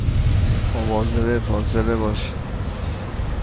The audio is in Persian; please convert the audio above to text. مواظب فاصله باشید